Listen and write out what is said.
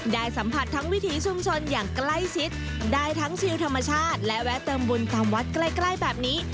ได้สัมผัสทั้งวิถีชุมชนอย่างใกล้ชิดได้ทั้งชิลธรรมชาติและแวะเติมบุญตามวัดใกล้ใกล้แบบนี้